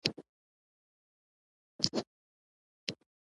بیا دې هغه په ټولګي کې واوروي.